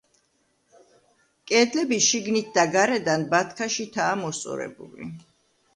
კედლები შიგნით და გარედან ბათქაშითაა მოსწორებული.